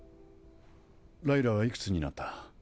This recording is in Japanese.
ライラはいくつになった？